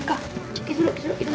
cukup dulu kukus dulu